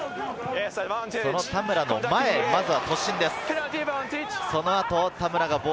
田村の前、まずは突進です。